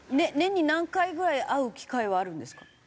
年に何回ぐらい会う機会はあるんですか？